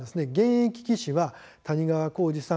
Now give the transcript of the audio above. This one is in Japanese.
このうち現役棋士は谷川浩司さん